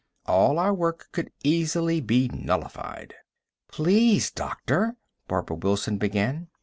All our work could easily be nullified." "Please, doctor," Barbara Wilson began.